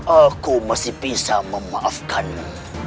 aku masih bisa memaafkanmu